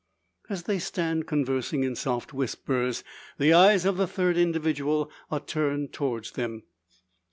As they stand conversing in soft whispers, the eyes of the third individual are turned towards them.